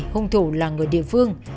hung thủ là người địa phương